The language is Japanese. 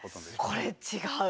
これ違う！